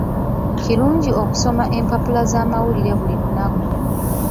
Kirungi okusoma empapula z'amawulire buli lunaku.